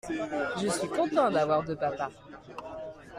Je suis content d'avoir deux papas.